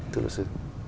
thưa luật sư